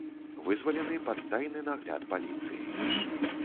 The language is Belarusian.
Вызвалены пад тайны нагляд паліцыі.